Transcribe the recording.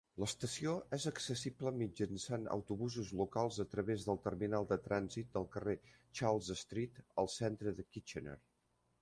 L'estació és accessible mitjançant autobusos locals a través del terminal de trànsit del carrer Charles Street, al centre de Kitchener.